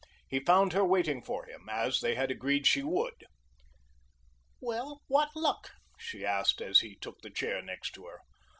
He found her waiting for him, as they had agreed she would. "Well, what luck?" she asked as he took the chair next to her.